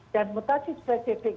dan mutasi spesifik